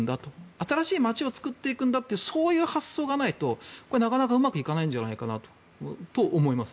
新しい街を作っていくんだというそういう発想がないとこれはなかなかうまくいかないんじゃないかなと思います。